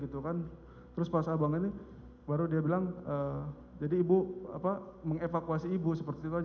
terus pas abang ini baru dia bilang jadi ibu mengevakuasi ibu seperti itu aja